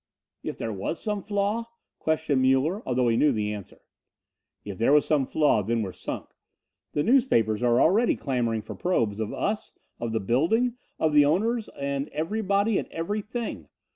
"If there was some flaw?" questioned Muller, although he knew the answer. "If there was some flaw, then we're sunk. The newspapers are already clamoring for probes, of us, of the building, of the owners and everybody and everything.